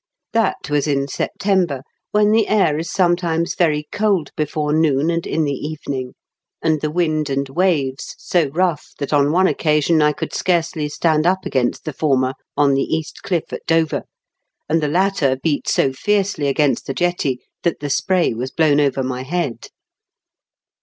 That was in September, when the air is some times very cold before noon and in the even ing, and the wind and waves so rough that on 25*3 IS KEXT WITS CHARLES DICKESS. one occasion I could scarcely stand np against the former on the East Cliff at Dover, and the latter beat so fiercely against the jetty that the spray was blown over my head.